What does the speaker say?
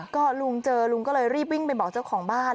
ก็ลุงเจอลุงก็เลยรีบวิ่งไปบอกเจ้าของบ้าน